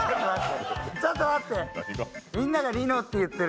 ちょっと待って！